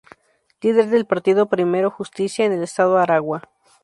Líder del partido Primero Justicia en el estado Aragua.